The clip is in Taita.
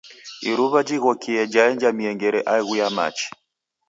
Iruw'a jighokie jaenja miengere aighu ya machi.